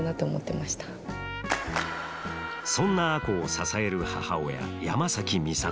そんな亜子を支える母親山崎美里。